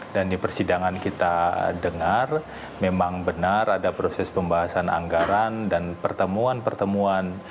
dan di persidangan kita dengar memang benar ada proses pembahasan anggaran dan pertemuan pertemuan